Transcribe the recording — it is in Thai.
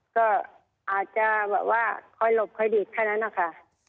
ก็อาจจะแบบว่าคอยหลบค่อยดีดแค่นั้นนะคะ